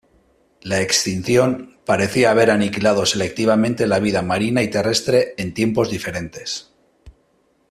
La extinción parecía haber aniquilado selectivamente la vida marina y terrestre en tiempos diferentes.